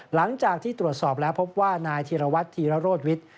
หลังจากที่ตรวจสอบแล้วพบว่านายธีรวัตรธีรโรธวิทย์